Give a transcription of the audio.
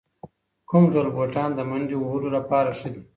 کوم ډول بوټان د منډې وهلو لپاره ښه دي؟